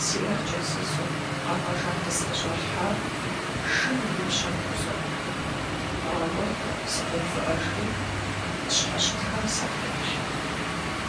Си Ӏэр кӀэзызу, къамэ жан къысӀэщӀалъхьар шым и пщэм хузохь, ауэ сыкъоувыӀэжри, къысщхьэщытхэм сахоплъэ.